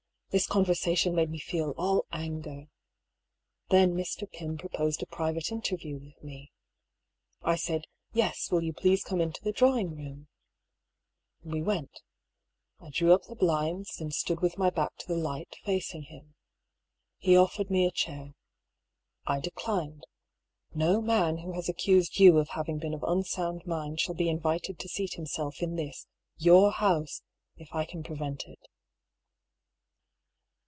*' This conversation made me feel all anger. Then Mr. Pym proposed a private interview with me. I said :" Yes ; will you please come into the draw ing room ?" We went. I drew up the blinds, then stood with my back to the light, facing him. He offered me a chair. I declined. No man who has accused you of having been of unsound mind shall be invited to seat himself in this, your, house if I can prevent it.